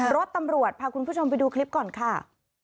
รถตำรวจพาคุณผู้ชมไปดูคลิปก่อนค่ะ